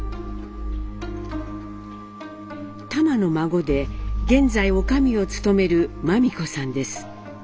タマの孫で現在女将を務める万美子さんです。